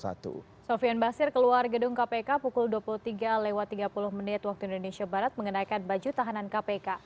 sofian basir keluar gedung kpk pukul dua puluh tiga tiga puluh menit waktu indonesia barat mengenakan baju tahanan kpk